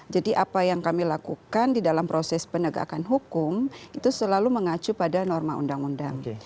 jadi apa yang kami lakukan di dalam proses penegakan hukum itu selalu mengacu pada norma undang undang